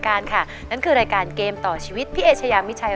ในร้องหน้าภัยร้านลุกทุ่งสู้ชีวิตกล้านในคราวหน้า